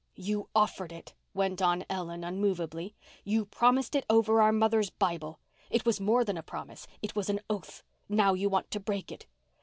"You offered it," went on Ellen unmovably. "You promised it over our mother's Bible. It was more than a promise—it was an oath. Now you want to break it."